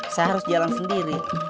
saya harus jalan sendiri